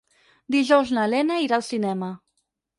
Dijous na Lena irà al cinema.